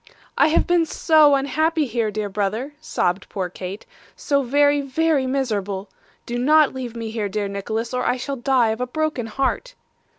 'I have been so unhappy here, dear brother,' sobbed poor Kate; 'so very, very miserable. Do not leave me here, dear Nicholas, or I shall die of a broken heart.